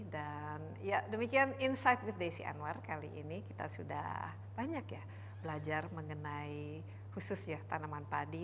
dan ya demikian insight with desi anwar kali ini kita sudah banyak ya belajar mengenai khusus ya tanaman padi